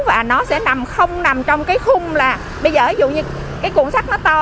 và nó sẽ nằm không nằm trong cái khung là bây giờ dù như cái cuộn sắt nó to